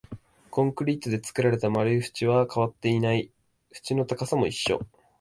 コンクリートで作られた丸い縁は変わっていない、縁の高さも一緒